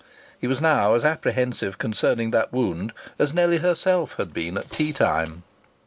He was now as apprehensive concerning that wound as Nellie herself had been at tea time.